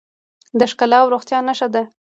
د ښکلا او روغتیا نښه ده.